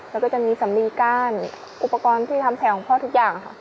แล้วก็จะมีสำลีก้านอุปกรณ์ที่ทำแผลของพ่อทุกอย่างค่ะ